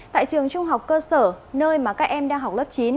tại trường trung học cơ sở nơi mà các em đang học lớp chín